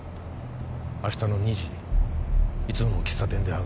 あしたの２時いつもの喫茶店で会う。